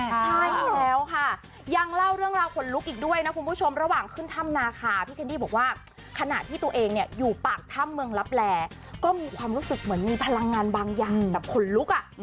ใช่แล้วค่ะยังเล่าเรื่องราวขนลุกอีกด้วยนะคุณผู้ชมระหว่างขึ้นถ้ำนาคาพี่แคนดี้บอกว่าขณะที่ตัวเองเนี่ยอยู่ปากถ้ำเมืองลับแหลก็มีความรู้สึกเหมือนมีพลังงานบางอย่างแบบขนลุกอ่ะ